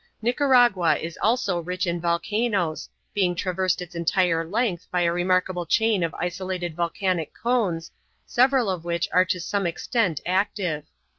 Nicaragua is also rich in volcanoes, being traversed its entire length by a remarkable chain of isolated volcanic cones, several of which are to some extent active.